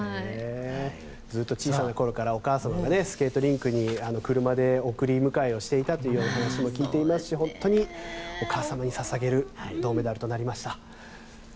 ずっと小さなころからお母さまがスケートリンクに車で送り迎えしていたというお話も聞いていますし本当にお母さまに捧げる銅メダルとなりました。